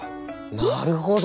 なるほど。